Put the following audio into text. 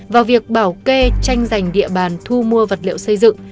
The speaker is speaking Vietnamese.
vào việc bảo kê tranh giành địa bàn thu mua vật liệu xây dựng